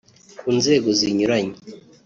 ku nzego zinyuranye